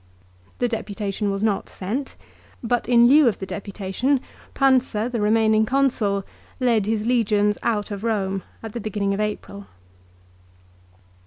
The deputation was not sent ; but in lieu of the deputation Pausa, the remaining Consul, led his legions out of Eome at the beginning of April.